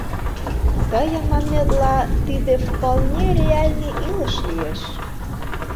Тыйын манметла, тиде вполне реальный илыш лиеш.